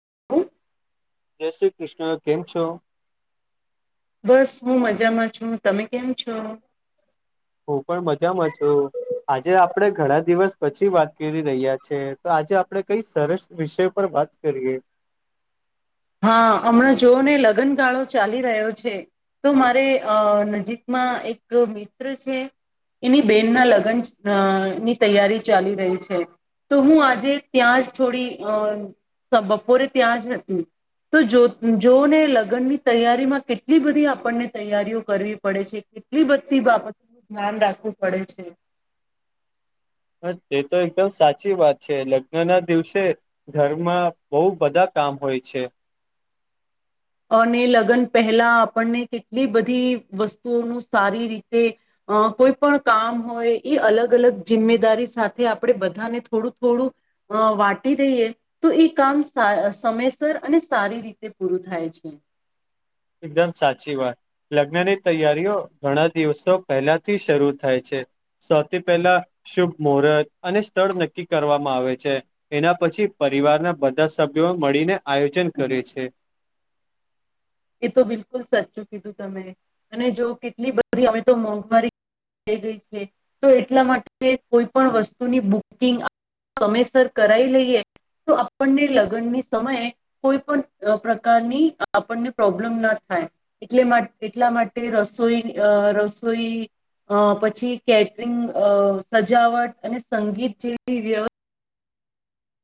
[inaudible] જય શ્રી કૃષ્ણ કેમ છો? બસ હું મજામાં છું તમે કેમ છો? હું પણ મજામાં છું આજે આપણે ઘણા દિવસ પછી વાત કરી રહ્યા છે તો આજે આપડે કઈ સરસ વિષય પર વાત કરીએ [inaudible] હા હમણાં જોને લગનગાળો ચાલી રહ્યો છે તો મારે અ નજીક હા એક દો મિત્ર છે એની બેન ના લગનની તૈયારી ચાલી રહી છે તો હું આજે ત્યાં જ થોડી અ બપોરે ત્યાં જ હતી તો જો જોવોને લગનની તૈયારીમાં કેટલી બધી આપણને તૈયારીઓ કરવી પડે છે એટલી બધી બાબતોનું ધ્યાન રાખવું પડે છે હ તે તો એકદમ સાચી વાત છે લગ્નના દિવસે ઘરમાં બહુ બધા કામ હોય છે [inaudible] અને લગન પહેલા આપણને કેટલી બધી વસ્તુઓનું સારી રીતે અ કોઈ પણ કામ હોય એઈ અલગ અલગ જિમ્મેદારી સાથે આપડે બધાને થોડું થોડું અ વાટી દઈએ તો એ કામ સાર સમયસર અને સારી રીતે પૂરું થાય છે [inaudible] એકદમ સાચી વાત લગ્નની તૈયારીઓ ઘણા દિવસો પહેલાથી શરૂ થાય છે સૌથી પહેલા શુભ મુહૂર્ત અને સ્થળ નક્કી કરવામાં આવે છે એના પછ છી પરિવારના બધા સભ્યો મળીને આયોજન કરે છે એ તો બિલકુલ સાચું કીધું તમે અને જો કેટલી બધી હમે તો મોંઘવારી થઈ ગઈ છે તો એટલા માટે કોઈ પણ વસ્તુની બુકિંગ સમેયસર કરાઈ લઈએ તો આપણને લગનની સમયે કોઈ પણ પ્રકારની આપણને પ્રોબ્લેમ ના થાય એટલા મા એટલા માટે રસોઈ અ રસોઈ અ પછી કેટરિંગ અ સજાવટ અને સંગીત જેવી વ્ય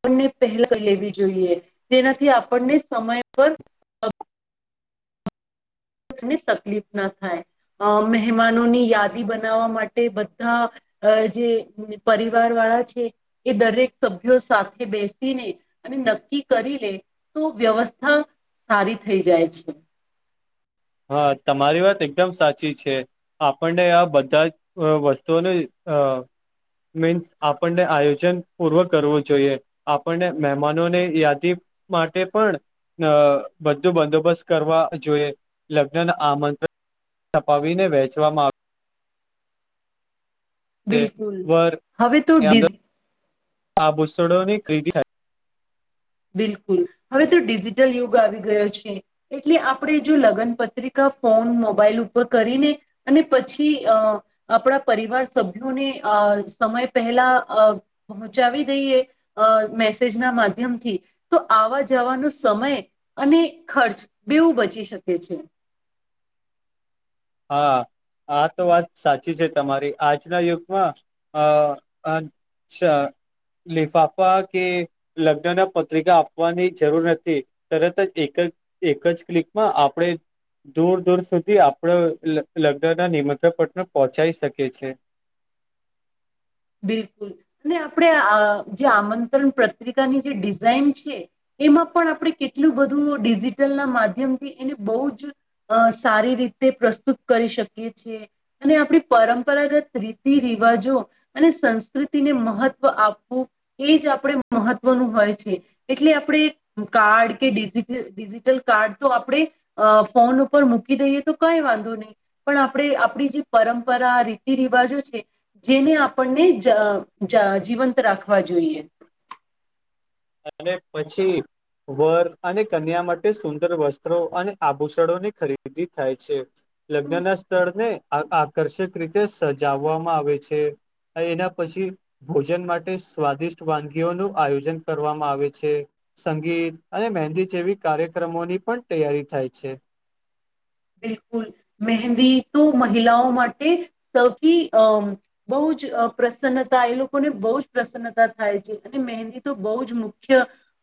એની પહેલા લેવી જોઈએ તેનાથી આપણને સમય પર ની તકલીફ ના થાય અ મહેમાનોની યાદી બનાવા માટે બધા અ જે પરિવાર વાળા છે એ દરેક સભ્યો સાથે બેસીને અને નક્કી કરીલે તો વ્યવસ્થા સારી થઈ જાય છે. હા તમારી વાત એકદમ સાચી છે આપણને આ બધા અ વસ્તુઓની અ મીન્સ આપણને આયોજન પૂર્વ કરવું જોઈએ આપણને મહેમાનોની યાદી માટે પણ અ બધું બંદોબસ્ત કરવા જોઈએ લગ્નના આમન્ત્રણ [inaudible] પતાવીને વહેંચવામાં આવ્યું બિલકુલ હવે તો ડિ આ ભૂસડોની [unintelligible] બિલકુલ હવે તો ડિજિટલ યુગ આવી ગયો છે એટલે આપણે જો લગન પત્રિકા ફોન મોબાઈલ ઉપર કરીને અને પછી અ આપડા પરિવાર સભ્યોને અ સમય પહેલા અ પહોંચાવી દઈએ અ મેસેજના માધ્યમથી તો આવા જવાનો સમય અને ખર્ચ બેવું બચી શકે છે [inaudible] હા આ તો વાત સાચી છે તમારી આજના યુગમાં અ અં અચ્છા. લિફાફા કે લગ્ન ના પત્રિકા આપવાની જરૂર નથી તરત જ એક જ એક જ ક્લિકમાં આપણે દૂર દૂર સુધી આપડે લગ્ન ના નિમંત્રણ પત્ર પહોંચાઈ શકી છે. બિલકુલ અને આપણે આ જે આમંત્રણ પત્રિકાની જે ડિઝાઇન છે, એમાં પણ આપણે કેટલું બધું ડિજિટલ ના માધ્યમથી એને બહુ જ અ સારી રીતે પ્રસ્તુત કરી શકીએ છીએ અને આપણી પરંપરાગત રીતિ રી બાજુ. અને સંસ્કૃતિને મહત્વ આપવું એ જ આપણે મહત્વનું હોય છે એટલે આપણે કાર્ડ કે ડિજિટલ ડિજિટલ કાર્ડ તો આપણે ફોન ઉપર મૂકી દઈએ તો કઈ વાંધો નહી પણ આપણે આપણી જે પરંપરા રીતિ રિવાજો છે, જેને આપ પણને જ જ જીવંત રાખવા જોઈએ અને પછી વર અને કન્યા માટે સુંદર વસ્ત્રો અને આભૂષણોની ખરીદી થાય છે. લગ્ન ના સ્થળને આકર્ષક રીતે સજાવવામાં આવે છે. એના પછી ભોજન માટે સ્વાદિષ્ટ વાનગીઓ નું આયોજન કરવામાં આવે છે, સંગીત અને મહેંદી જેવી કાર્યક્રમોની પણ તૈયારી થાય છે. [inaudible] બિલકુલ મહેંદી તો મહિલાઓ માટે સૌથી અ બહુ બ જ પ્રસન્નતા એ લોકોને બહુ જ પ્રસન્નતા થાય છે અને મહેંદી તો બહુ જ મુખ્ય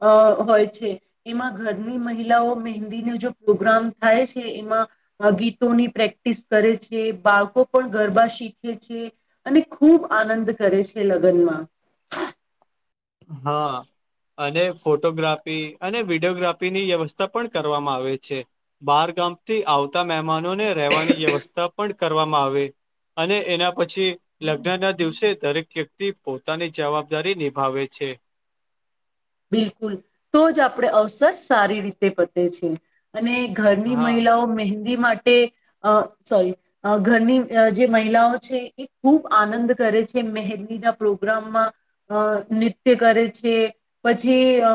અ હોય છે, એમાં ઘરની મહિલાઓ મહેંદીનો જો પ્રોગ્રામ થાય છે, એમાં ગીતોની પ્રેક્ટિસ કરે છે, બાળકો પણ ગરબા શીખે છે અને ખૂબ ખૂબ આનંદ કરે છે લગ્નમાં. હા. અને ફોટોગ્રાફી અને વિડીયોગ્રાફીની વ્યવસ્થા પણ કરવામાં આવે છે. બાર પ થી આવતા મહેમાનોને રહેવાની વ્યવસ્થા પણ કરવામાં આવે. અને એના પછી લગ્ન ના દિવસે દરેક વ્યક્તિ પોતાની જવાબદારી નિભાવે છે. છે. બિલકુલ તો જ આપણે અવસર સારી રીતે પતે છે. અને ઘરની હા મહિલાઓ મહેંદી માટે સોરી ઘરની જે મહિલાઓ છે, એ ખૂબ આનંદ કરે છે. મહેંદી ના પ્રોગ્રામમાં અ નૃત્ય કરે છે. પછી અ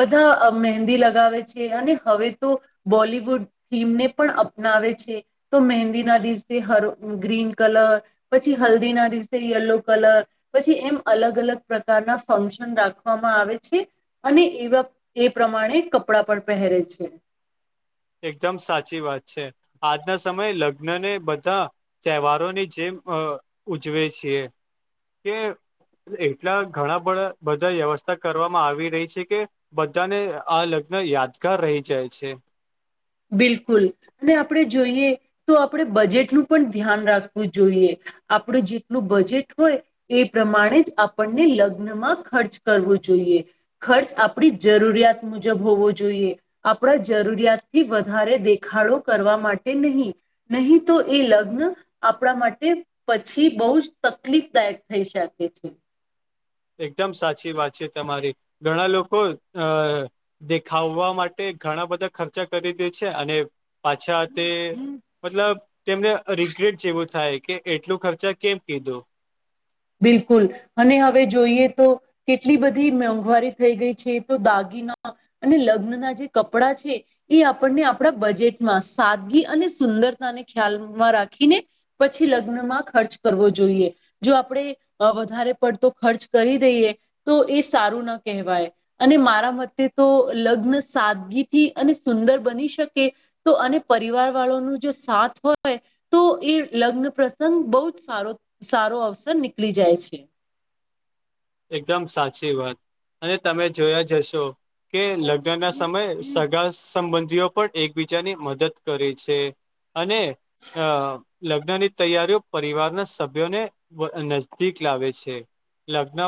બધા મહેંદી લગાવે છે, અને હવે તો બોલીવુડ થીમને પણ અપનાવે છે, તો મહેંદી ના દિવસે હર ગ્રીન કલર પછી હલ્દી ના દિવસે યલો કલર પછી એમ અલગ અલગ પ્રકારના ફંક્શન રાખવામાં આવે અને એવા એ પ્રમાણે કપડાં પણ પહેરે છે. એકદમ સાચી વાત છે આજના સમયે લગ્ન ને બધા તહેવારોની જેમ અ ઉજવે છીએ કે એટલા ઘણા બા બધા વ્યવસ્થા કરવામાં આવી રહી છે કે બધાને આગ યાદગાર રહી જાય છે. [inaudible] બિલકુલ અને આપણે જોઈએ તો આપણે બજેટનું પણ ધ્યાન રાખવું જોઈએ આપડ જેટલું બજેટ હોય એ પ્રમાણે જ આપણને લગ્નમાં ખર્ચ કરવો. જોઈએ ખર્ચ આપણી જરૂરિયાત મુજબ હોવો જોઈએ આપણા જરૂરિયાત થી વધારે દેખાડો કરવા માટે નહીં નહીં તો એ લગ્ન આપણા માટે પછી બહુ જ તકલીફ દાયક થઈ શકે છે. એકદમ સાચી વાત છે, તમારી ઘણા લોકો અ દેખાવવા માટે ઘણા બધા ખર્ચા કરી દે છે, અને પાછા તે મતલબ તેમને રિગ્રેટ જેવું થાય કે એટલું ખર્ચા કેમ કીધું બિલકુલ અને હવે જોઈએ તો કેટલી બધી મોંઘવારી થઈ ગઈ છે, તો દાગ [unintelligible] લગ્ન ના જે કપડા છે, એ આપણને આપણા બજેટમાં સાદગી અને. સુંદરતા ને ખ્યાલમાં રાખીને પછી લગ્નમાં ખર્ચ કરવો જોઈએ જો. આપ વધારે પડતો ખર્ચ કરી દઈએ તો એ સારું ના કહેવાય અને મારા. તે તો લગ્ન સાદગીથી અને સુંદર બની શકે તો અને પરિવાર વાળો. જો સાથ હોય તો એ લગ્ન પ્રસંગ બહ જ સારો સારો આવશે. [unintelligible] નીકળી જાય છે. એકદમ સાચી વાત અને તમે જોયા જશો. કે લગ્ન ના સમય સગા સંબંધ. પણ એકબીજાની મદદ કરે છે, અને અ. લગ્ન ની તૈયારીઓ પરિવારના સભ્યોને નજદીક લાવે છે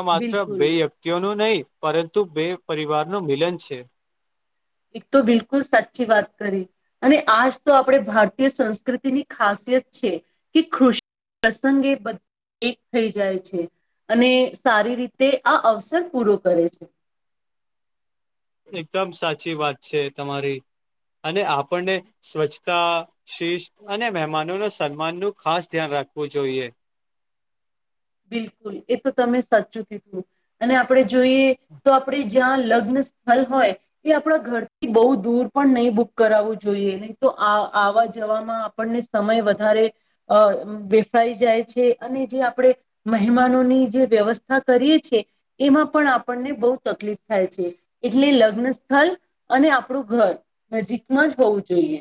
માત્ર બિલકુલ બે વ્યક્તિઓનું નહીં પરંતુ બે પરિવારનું મિલન છે. એક તો બિલકુલ સાચી વાત કરી અને આજ તો આપણે ભારતીય સંસ્કૃતિની ખાસ. છે, કે કૃષિ પ્રસંગ એ [unintelligible] એક થઈ જાય છે, અને સારી રીતે આ અવસર પૂરો કરે છે. એકદમ સાચી વાત છે, તમારી. અને આપણને સ્વચ્છતા શિસ્ત અને મહેમાનો ન સન્માન નું ખાસ ધ્યાન રાખ રાખવું જોઈએ. બિલકુલ એ તો તમે સાચું કીધું અને આપણે જોઈએ તો આપણે જ્યાં લગ્ન. હોય એ આપણા ઘરથી બ દૂર પણ નહી બુક કરવું જોઈએ નહી તો. જવામાં આપણને સમય વધારે અ [unintelligible] જાય છે, અને જે આપણે. મહેમાનોની જે વ્યવસ્થા કરીએ [unintelligible] છેએ એમાં પણ આપણને બહુ તકલીફ થાય છે. એટલે લગ્ન સ્થળ અને આપણું ઘર નજીકમાં જ હોવું જોઈએ.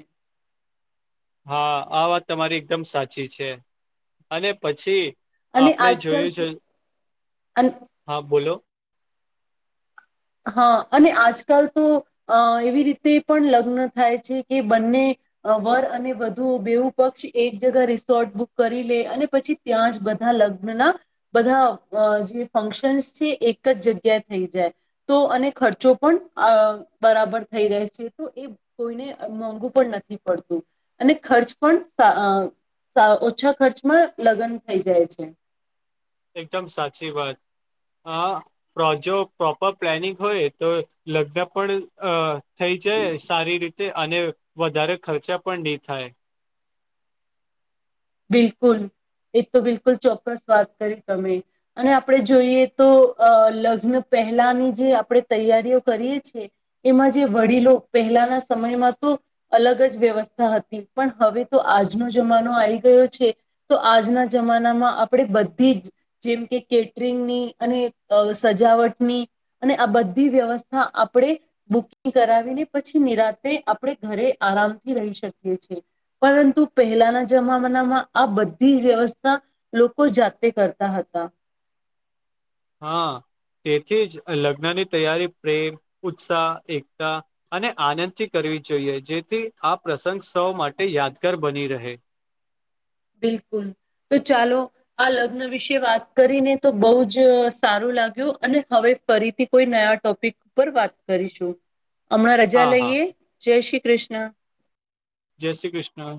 હા આ વાત તમારી એકદમ સાચી છે, અને પછી. અને આપણે આજકાલ જોયું છે, તો- અને હા બોલો. હા અને આજકાલ તો અ એવી રીતે પણ લગ્ન થાય છે, કે બંને. વર અને [unintelligible] બેવું પક્ષ એક જગા રિસોર્ટ બુક કરી લે અને પછી ત્યાં જ બ બધા લગ્નના બધા જે ફંક્શન્સ છે, એક જ જગ્યાએ થઈ જાય. તો અને ખર્ચો પણ બરાબર થઈ રહે છે, તો એ કોઈને મોંઘું પણ નથી. નથી પડતું અને ખર્ચ પણ. ઓછા ખર્ચમાં લગ્ન થઈ જાય છે. એકદમ સાચી વાત. હ [unintelligible] પ્રોપર પ્લાનિંગ હોય તો લગ્ન પણ અ. થઈ જાય સારી રીતે અને વધારે ખર્ચા પણ નહી થાય. બિલકુલ. એ તો બિલકુલ ચોક્કસ વાત કરી તમે અને આપણે જોઈએ તો અ લગ્ન પહેલાની જે આપણે તૈયારીઓ કરીએ છીએ એમાં જે વડીલો પહેલાના સમયમાં તો. અલગ જ વ્યવસ્થા હતી પણ હવે તો આજનો જમાનો આવી. [unintelligible] છે, તો આજના જમાનામાં આપણે બધી જ જેમ કે કેટરિંગની અને. સજાવટની અને આ બધી વ્યવસ્થા આપણે બુકિંગ કરાવીને પછી. પછ નિરાત્રે આપણે ઘરે આરામથી રહી [unintelligible] પરંતુ પહેલાના જમા. માં આ બધી વ્યવસ્થા લોકો જાતે કરતા હતા. હા તેથી જ લગ્નની તૈયારી પ્રેમ ઉત્સાહ એકતા અને આનંદથી કરી. જોઈએ જેથી આ પ્રસંગ સૌ માટે યાદગાર બની રહે. બિલકુલ તો ચાલો આ લગ્ન વિશે વાત કરીને તો બહુ જ સારું. લાગ્યો અને હવે ફરીથી કોઈ નયા ટોપિક [unintelligible] વાત કરીશું. હમણાં રજા હા હા લઈએ જય શ્રી કૃષ્ણ જય શ્રી કૃષ્ણ